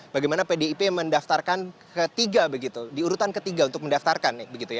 bagaimana pdip mendaftarkan ketiga diurutan ketiga untuk mendaftarkan